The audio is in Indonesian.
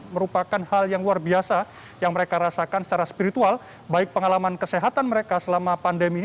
merupakan hal yang luar biasa yang mereka rasakan secara spiritual baik pengalaman kesehatan mereka selama pandemi